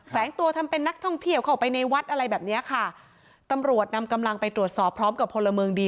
ตัวทำเป็นนักท่องเที่ยวเข้าไปในวัดอะไรแบบเนี้ยค่ะตำรวจนำกำลังไปตรวจสอบพร้อมกับพลเมืองดี